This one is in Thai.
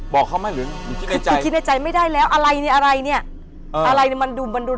บอกเขาไหมหรือคิดในใจคือคิดในใจไม่ได้แล้วอะไรเนี่ยอะไรเนี่ยอะไรเนี่ยมันดุมมันดุน